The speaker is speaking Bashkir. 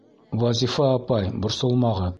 Вазифа апай, борсолмағыҙ.